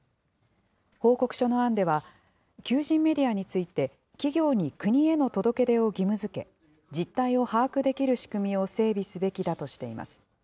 報告書の案では、求人メディアについて、企業に国への届け出を義務づけ、実態を把握できる仕組みを整備すべきだとしています。